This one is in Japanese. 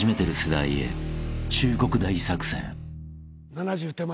「７０手前」